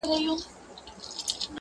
o په غرمو کې وگټه، په سايو کې وخوره.